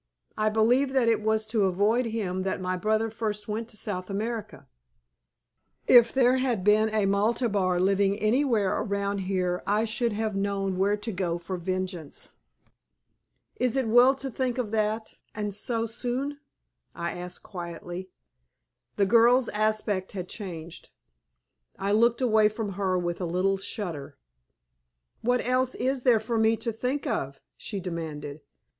I believe that it was to avoid him that my brother first went to South America. If there had been a Maltabar living anywhere around here I should have known where to go for vengeance." "Is it well to think of that, and so soon?" I asked, quietly. The girl's aspect had changed. I looked away from her with a little shudder. "What else is there for me to think of?" she demanded.